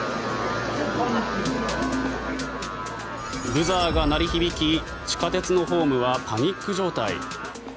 ブザーが鳴り響き地下鉄のホームはパニック状態。